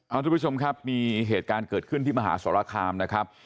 เอาทุกผู้ชมครับมีเหตุการณ์เกิดขึ้นที่มหาสรคามนะครับ